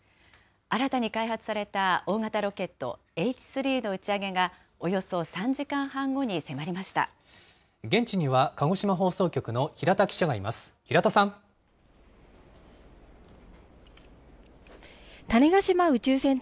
新たに開発された大型ロケット、Ｈ３の打ち上げがおよそ３時間半後に迫りました。